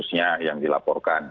nah yang dilaporkan